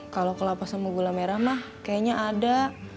kalau kelapa sama gula merah mah kayaknya ada